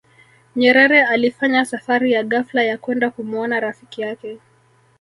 nyerere alifanya safari ya ghafla ya kwenda kumuona rafiki yake